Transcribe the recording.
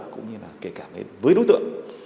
cũng như là kể cả với đối tượng